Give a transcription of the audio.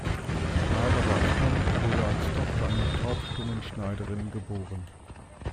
Barbara Stamm wurde als Tochter einer taubstummen Schneiderin geboren.